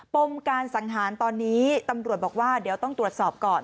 ปมการสังหารตอนนี้ตำรวจบอกว่าเดี๋ยวต้องตรวจสอบก่อน